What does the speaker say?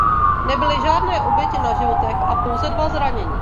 Nebyly žádné oběti na životech a pouze dva zranění.